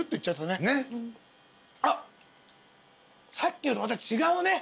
あっさっきのとまた違うね。